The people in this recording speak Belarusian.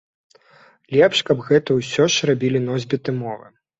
Лепш, каб гэта ўсё ж рабілі носьбіты мовы.